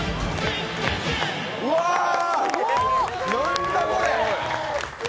うわー、何だ、これ。